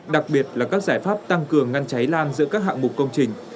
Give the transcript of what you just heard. đặc biệt là các giải pháp tăng cường ngăn cháy lan giữa các hạng mục công trình